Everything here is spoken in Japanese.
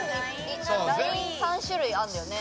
ライン３種類あるんだよね。